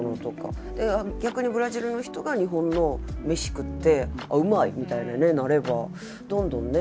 逆にブラジルの人が日本の飯食ってうまい！みたいにねなればどんどんね